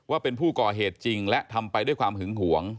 ว่าเป็นผู้ก่อเหตุจริงและทำไปด้วยความหึงหวง